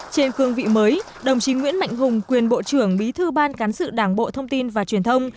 trên cương vị mới đồng chí nguyễn mạnh hùng quyền bộ trưởng bí thư ban cán sự đảng bộ thông tin và truyền thông